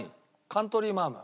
カントリーマアム。